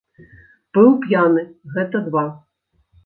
Быў п'яны, гэта два.